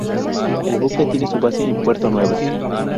El buque tiene su base en Puerto Nuevo.